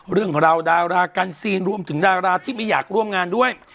เรื่องราวดารากันซีนรวมถึงดาราที่ไม่อยากร่วมงานด้วย